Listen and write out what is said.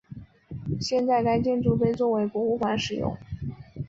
现在该建筑被作为博物馆使用。